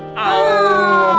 makan yang banyak